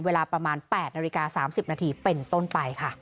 เวลาประมาณ๘นาฬิกา๓๐นาทีเป็นต้นไปค่ะ